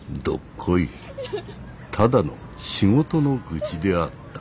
ただの仕事の愚痴であった。